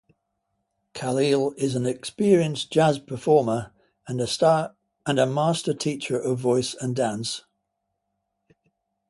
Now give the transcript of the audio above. Kahlil is an experienced jazz performer and a master teacher of voice and dance.